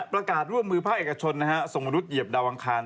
ประกาศร่วมมือภาคเอกชนส่งมนุษย์เหยียบดาวอังคาร